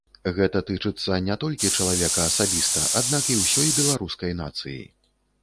Гэта тычыцца не толькі чалавека асабіста, аднак і ўсёй беларускай нацыі.